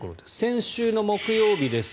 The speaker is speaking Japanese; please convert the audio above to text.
先週の木曜日です。